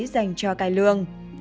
dành cho cai lương